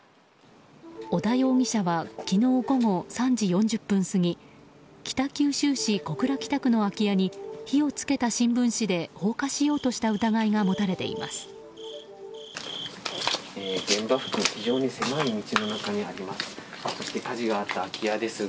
織田容疑者は昨日午後３時４０分過ぎ北九州市小倉北区の空き家に火を付けた新聞紙で放火しようとした疑いが持たれています。